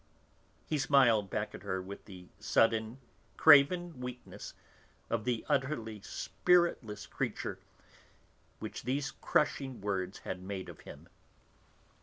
He smiled back at her with the sudden, craven weakness of the utterly spiritless creature which these crushing words had made of him.